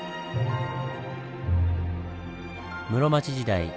室町時代